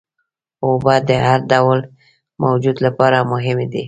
اوبه د هر ډول موجود لپاره مهمې دي.